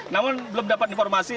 namun belum dapat informasi